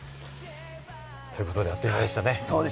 ということであっという間でしたね。